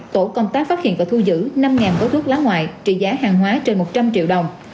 tổ công tác phát hiện và thu giữ năm gói thuốc lá ngoại trị giá hàng hóa trên một trăm linh triệu đồng